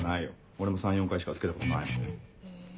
俺も３４回しか着けたことないもん。